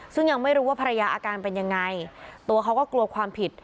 ซึ่งยังไม่รู้ว่าภรรยาอาการเป็นยังไงตัวเขาก็กลัวความผิด